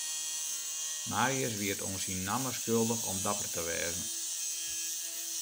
Marius wie it oan syn namme skuldich om dapper te wêze.